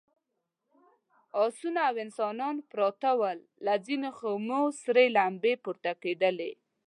آسونه او انسانان پراته ول، له ځينو خيمو سرې لمبې پورته کېدلې….